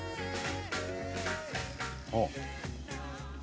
あっ。